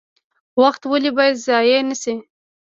وخت ولې باید ضایع نشي؟